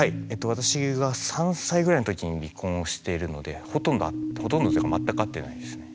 私が３歳ぐらいの時に離婚をしてるのでほとんどというか全く会ってないですね。